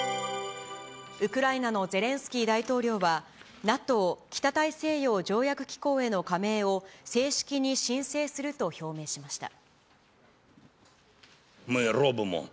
ウクライナのゼレンスキー大統領は、ＮＡＴＯ・北大西洋条約機構への加盟を正式に申請すると表明しました。